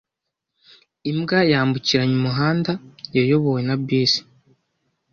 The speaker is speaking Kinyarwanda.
Imbwa yambukiranya umuhanda yayobowe na bisi.